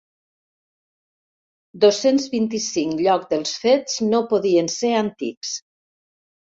Dos-cents vint-i-cinc lloc dels fets no podien ser antics.